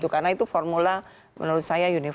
karena itu formula menurut saya yudh yudh